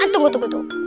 tunggu tunggu tunggu